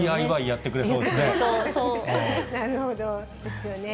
ＤＩＹやってくれそうですよね。